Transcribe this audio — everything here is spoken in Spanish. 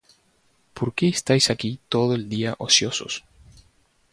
¿Por qué estáis aquí todo el día ociosos?